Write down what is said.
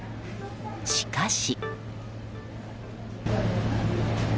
しかし。